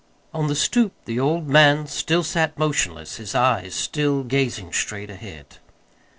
On the stoop the old man still sat motionless, his eyes still gazing straight ahead.